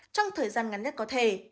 trong thời gian ngắn nhất có thể